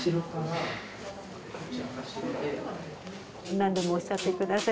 何でもおっしゃって下さい。